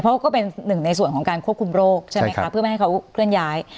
เพราะก็เป็นหนึ่งในส่วนของการควบคุมโรคใช่ไหมคะเพื่อไม่ให้เขาเคลื่อนย้าย